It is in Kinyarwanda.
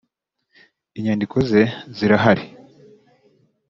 inyandiko ze zirahari